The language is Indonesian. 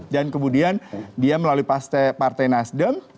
dan kemudian dia melalui partai nasdem